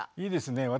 いいですね。